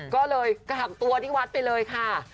ก็เลยกลับตัวที่วัดไปเลยค่ะ